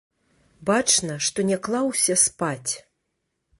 Бачна, што не клаўся спаць.